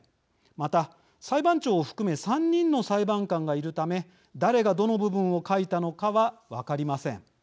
また、裁判長を含め３人の裁判官がいるため誰がどの部分を書いたのかは分かりません。